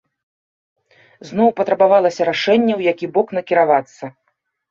Зноў патрабавалася рашэнне, у які бок накіравацца.